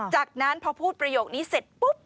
จากนั้นพอพูดประโยคนี้เสร็จปุ๊บ